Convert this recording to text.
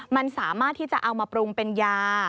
มันสามารถที่จะเอามาปรุงเป็นยา